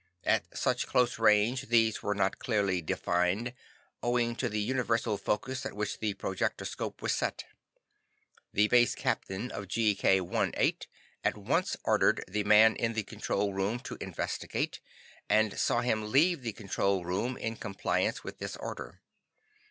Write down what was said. At such close range these were not clearly defined, owing to the universal focus at which the projectoscope was set. The Base Captain of GK 18 at once ordered the man in the control room to investigate, and saw him leave the control room in compliance with this order.